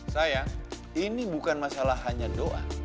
sayang ini bukan masalah hanya doa